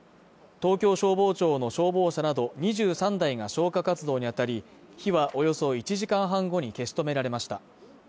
東京消防庁の消防車など２３台が消火活動にあたり、火はおよそ１時間半後に消し止められました。